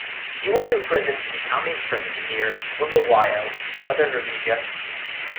He was imprisoned in Khami Prison near Bulawayo, Southern Rhodesia.